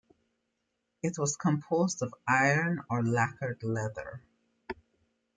It was composed of iron or lacquered leather.